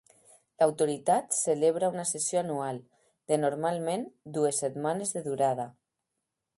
L'Autoritat celebra una sessió anual, de normalment dues setmanes de durada.